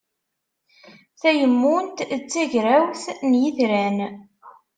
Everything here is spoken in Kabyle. Tayemmunt d tagrawt n yitran.